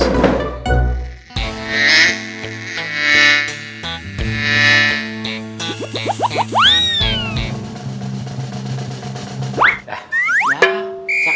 beberapa kali di malam ya